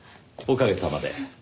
おかげさまで。